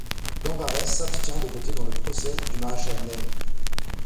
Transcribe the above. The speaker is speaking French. Dembarrère s'abstient de voter dans le procès du maréchal Ney.